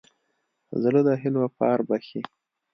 زړه د هيلو پار بښي.